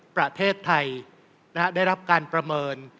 ประเทศไทยได้รับการประเมิน